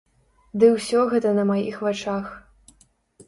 Ды ўсё гэта на маіх вачах.